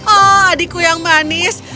oh adikku yang manis